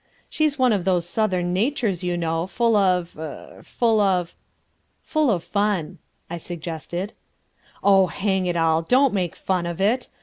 "She's one of those Southern natures, you know, full of er full of...." "Full of fun," I suggested. "Oh, hang it all, don't make fun of it!